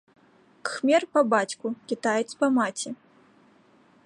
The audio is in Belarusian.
Кхмер па бацьку, кітаец па маці.